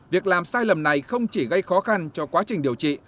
việc làm sai lầm này không chỉ gây khó khăn cho quá trình điều trị